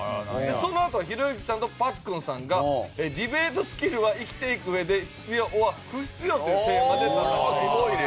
そのあとはひろゆきさんとパックンさんが「ディベートスキルは生きていく上で必要ｏｒ不必要」というテーマで戦います。